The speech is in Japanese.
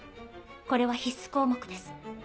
これは必須項目です。